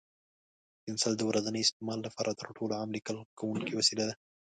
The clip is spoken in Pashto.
پنسل د ورځني استعمال لپاره تر ټولو عام لیکل کوونکی وسیله ده.